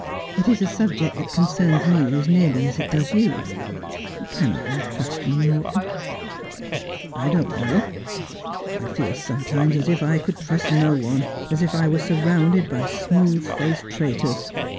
It is a subject that concerns me as nearly as it does you. Cannot you trust me, Morton ?'' I don't know. I feel sometimes as if I could trust no one — as if I were surrounded by smooth faced traitors.